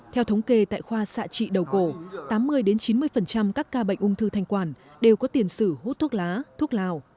theo thống kê tại khoa xạ trị đầu cổ tám mươi chín mươi các ca bệnh ung thư thanh quản đều có tiền sử hút thuốc lá thuốc lào